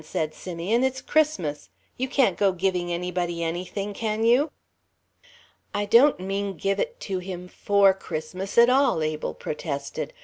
said Simeon, "it's Christmas! You can't go giving anybody anything, can you?" "I don't mean give it to him for Christmas at all," protested Abel.